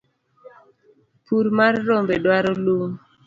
pur mar rombe dwaro lum